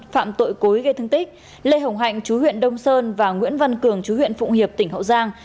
phạm tội cối gây thương tích lê hồng hạnh chú huyện đông sơn và nguyễn văn cường chú huyện phụng hiệp tỉnh hậu giang